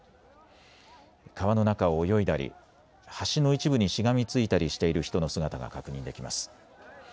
川の中を泳いだり橋の一部にしがみついたりしている人の姿が確認できます。